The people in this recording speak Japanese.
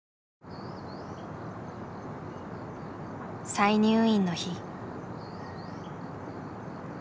再入院の日。